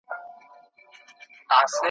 ارغوان هغسي ښکلی په خپل رنګ زړو ته منلی `